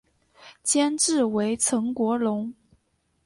监制为岑国荣。